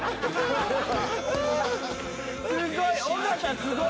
すごい。